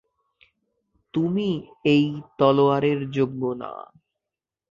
তুমি এই তলোয়ারের যোগ্য না।